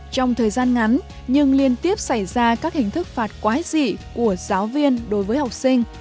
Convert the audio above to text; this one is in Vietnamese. trong thời gian ngắn nhưng liên tiếp xảy ra các hình thức phạt quá dị của giáo viên đối với học sinh